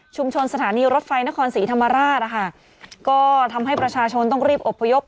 สถานีรถไฟนครศรีธรรมราชนะคะก็ทำให้ประชาชนต้องรีบอบพยพ